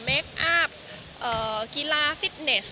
เคคอัพกีฬาฟิตเนส